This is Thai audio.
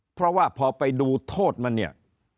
เพราะว่าพอไปดูโทษมันเนี่ย